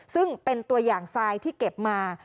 ซึ่งเป็นตัวอย่างทรายที่เก็บมา